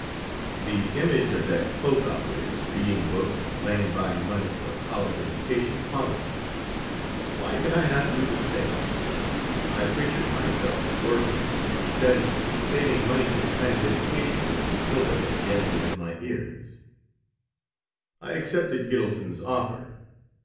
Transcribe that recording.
The image of that cloak operator reading books and laying by money for a college education haunted me. Why could I not do the same? I pictured myself working and studying and saving money for the kind of education which Matilda had dinned into my ears I accepted Gitelson's offer.